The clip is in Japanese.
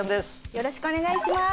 よろしくお願いします。